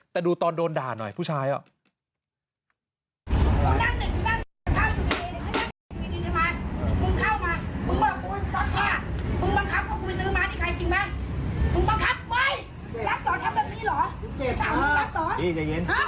แต่ดูตอนโดนด่าหน่อยผู้ชายอ่ะ